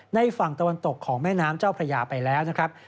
ฝั่งตะวันตกของแม่น้ำเจ้าพระยาไปแล้วนะครับ